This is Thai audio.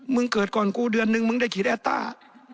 มึงเกิดก่อนกูเดือนนึงมึงได้ขีดแอตต้า